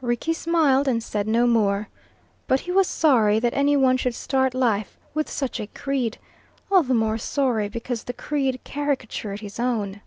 Rickie smiled and said no more. But he was sorry that any one should start life with such a creed all the more sorry because the creed caricatured his own.